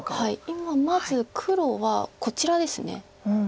今まず黒はこちらです。